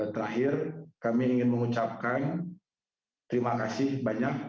terakhir kami ingin mengucapkan terima kasih banyak